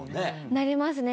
なりますね。